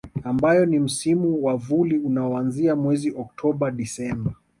Ambayo ni Msimu wa Vuli unaoanzia mwezi Oktoba Desemba